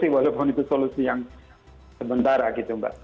walaupun itu solusi yang sementara gitu mbak